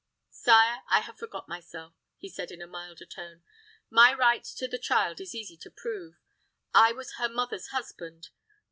Sire, I have forgot myself," he said, in a milder tone. "My right to the child is easy to prove. I was her mother's husband.